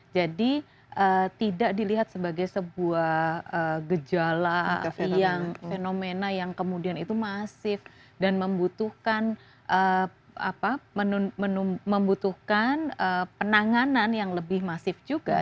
jadi tidak dilihat sebagai sebuah gejala yang fenomena yang kemudian itu masif dan membutuhkan apa membutuhkan penanganan yang lebih masif juga